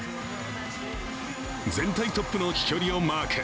全体トップの飛距離をマーク。